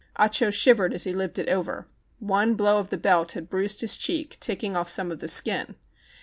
Ah Cho shivered as he lived it over. One blow of the belt had bruised his cheek, taking off" some of the skin.